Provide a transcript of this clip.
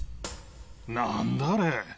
何だあれ？